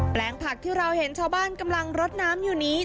แปลงผักที่เราเห็นชาวบ้านกำลังรดน้ำอยู่นี้